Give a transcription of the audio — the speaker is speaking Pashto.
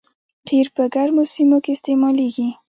قیر په ګرمو سیمو کې استعمالیږي